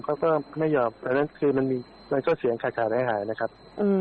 เขาก็ไม่ยอมเพราะฉะนั้นคือมันมีมันก็เสียงขาดขาดให้หายนะครับอืม